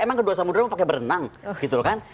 emang ke dua samudera mau pakai berenang gitu kan